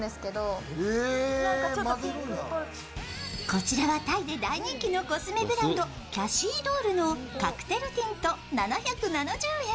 こちらはタイで大人気のコスメブランドＣａｔｈｙＤｏｌｌのカクテルティント７７０円。